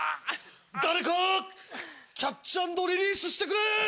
誰かキャッチ＆リリースしてくれ！